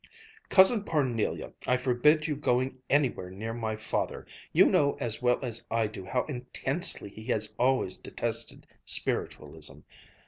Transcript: "Cousin Parnelia, I forbid you going anywhere near my father! You know as well as I do how intensely he has always detested spiritualism.